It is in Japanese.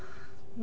何？